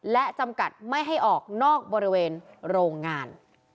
และจำกัดไม่ให้ออกนอกบริเวณโรงงาน